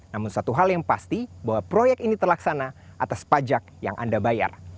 namun satu hal yang pasti bahwa proyek ini terlaksana atas pajak yang anda bayar